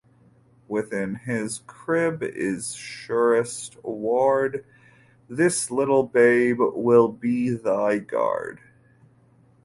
Within his crib is surest ward; This little Babe will be thy guard.